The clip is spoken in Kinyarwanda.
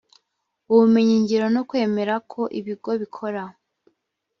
ubumenyingiro no kwemera ko ibigo bikora